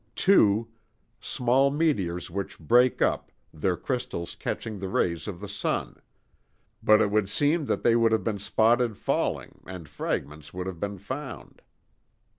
] "2. Small meteors which break up, their crystals catching the rays of the sun. But it would seem that they would have been spotted falling and fragments would have been found.